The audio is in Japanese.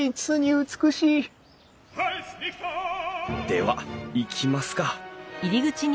では行きますか。